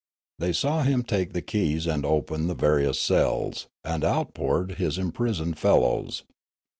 They saw him take the ke5'S and open the various cells ; and out poured his imprisoned fellows.